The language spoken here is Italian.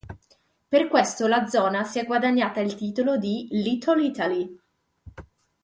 Per questo la zona si è guadagnata il titolo di "Little Italy".